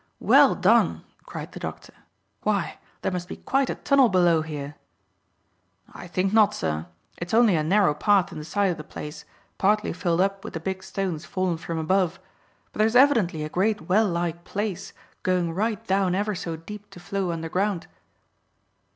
"Well done!" cried the doctor. "Why, there must be quite a tunnel below here." "I think not, sir; it's only a narrow path in the side of the place, partly filled up with the big stones fallen from above; but there's evidently a great well like place going right down ever so deep to flow underground."